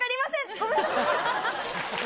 ごめんなさい。